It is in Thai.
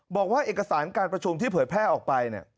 บอกว่าเอกสารการประชุมที่เผยแพร่ออกไป